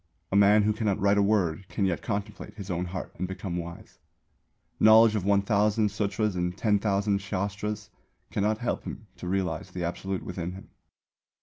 A man who cannot write a word, can yet contemplate his own heart and become wise. Knowledge of 1,000 Sūtras and 10,000 Shāstras cannot help him to realise the Absolute within him.